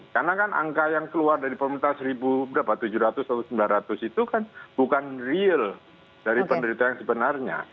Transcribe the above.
karena kan angka yang keluar dari pemerintah satu tujuh ratus atau satu sembilan ratus itu bukan real dari penderitaan sebenarnya